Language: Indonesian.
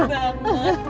aku seru banget